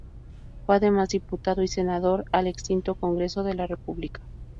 Fue además diputado y senador al extinto Congreso de la República.